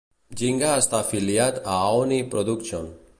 Ginga està afiliat a Aoni Production.